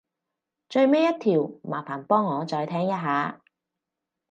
最尾一條麻煩幫我再聽一下